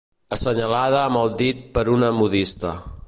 Assenyalada amb el dit per una modista.